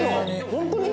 本当に？